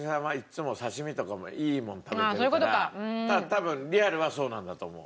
多分リアルはそうなんだと思う。